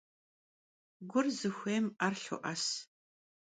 Gur zıxuê'em 'er lho'es.